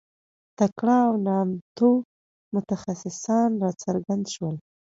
تکړه او نامتو متخصصان راڅرګند شول.